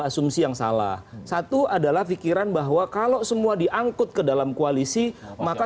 asumsi yang salah satu adalah pikiran bahwa kalau semua diangkut ke dalam koalisi maka